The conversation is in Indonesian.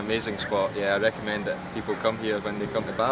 ini sensasi baru berwisata yang bisa anda rasakan saat berhibur di kawasan giyanjar bali